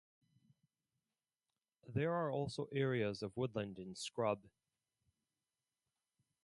There are also areas of woodland and scrub.